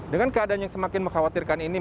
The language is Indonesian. dengan keadaan yang semakin mengkhawatirkan ini